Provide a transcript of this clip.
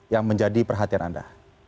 yang menjadi perhatian anda